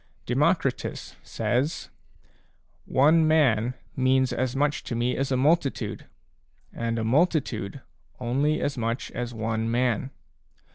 Democritus* says: "One man means as much to me as a multitude, and a multitude only as much as one man."